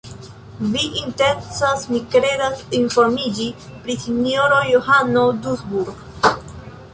Vi intencas, mi kredas, informiĝi pri sinjoro Johano Dusburg.